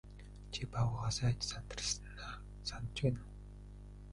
Чи баавгайгаас айж сандарснаа санаж байна уу?